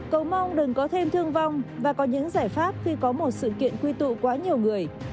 cầu mong đừng có thêm thương vong và có những giải pháp khi có một sự kiện quy tụ quá nhiều người